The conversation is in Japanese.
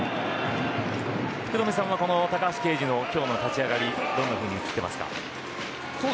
福留さんは高橋奎二の今日の立ち上がりどんなふうに映ってますか。